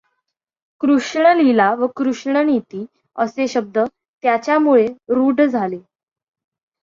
कृष्णलीला व कृष्णनीती असे शब्द त्याच्यामुळे रूढ झाले.